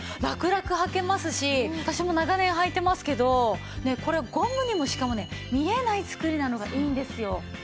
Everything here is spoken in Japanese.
ラクラクはけますし私も長年はいてますけどこれゴムにもしかもね見えない作りなのがいいんですよ。